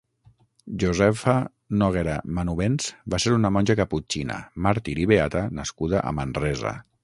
Josefa Noguera Manubens va ser una monja caputxina, màrtir i beata nascuda a Manresa.